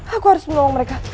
aku harus menolong mereka